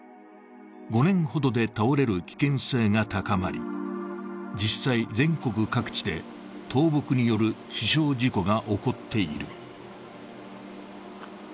５年ほどで倒れる危険性が高まり、実際、全国各地で倒木による死傷事故が起こっている。